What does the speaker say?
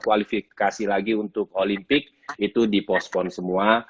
kualifikasi lagi untuk olimpik itu dipostpon semua